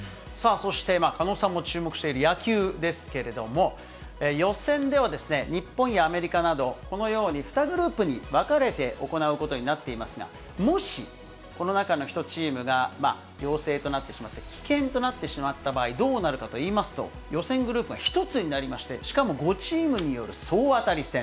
そして、今、狩野さんも注目している野球ですけれども、予選ではですね、日本やアメリカなど、このように２グループに分かれて行うことになっていますが、もし、この中の１チームが陽性となってしまって、危険となってしまった場合、どうなるかといいますと、予選グループが１つになりまして、しかも５チームによる総当たり戦。